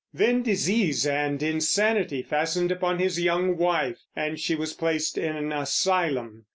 Then disease and insanity fastened upon his young wife, and she was placed in an asylum.